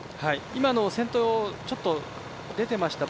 今の先頭、ちょっと出ていました